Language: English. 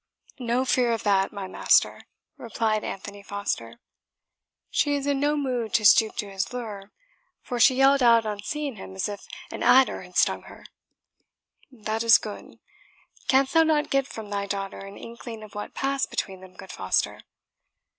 "No fear of that, my master," replied Anthony Foster; "she is in no mood to stoop to his lure, for she yelled out on seeing him as if an adder had stung her." "That is good. Canst thou not get from thy daughter an inkling of what passed between them, good Foster?"